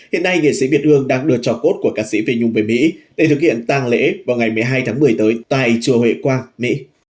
hiện nay nghệ sĩ việt hương đang đưa cho cốt của ca sĩ về nhung về mỹ để thực hiện tàng lễ vào ngày một mươi hai tháng một mươi tới tại chùa huệ quang mỹ